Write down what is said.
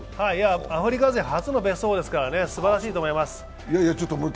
アフリカ勢初のベスト４ですから、すばらしいと思います。